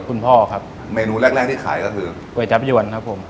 คุณพ่อครับเมนูแรกแรกที่ขายก็คือก๋วยจับยวนครับผม